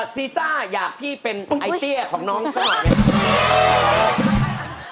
ซีซ่าอยากที่เป็นไอเดียของน้องขนาดนี้